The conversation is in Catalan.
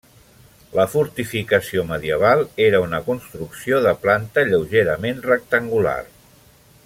La fortificació medieval era una construcció de planta lleugerament rectangular.